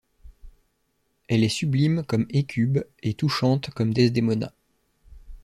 Elle est sublime comme Hécube et touchante comme Desdémona.